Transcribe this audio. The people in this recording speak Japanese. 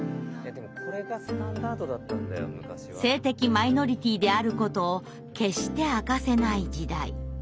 性的マイノリティーであることを決して明かせない時代。